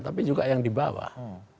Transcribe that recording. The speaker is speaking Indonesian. tapi juga yang di bawah